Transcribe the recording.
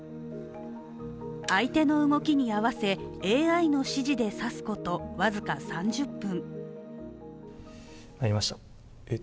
相手の動きに合わせ、ＡＩの指示で指すこと僅か３０分。